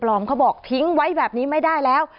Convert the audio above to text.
เขาบอกทิ้งไว้แบบนี้ไม่ได้แล้ว